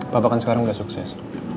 bapak sekarang udah sukses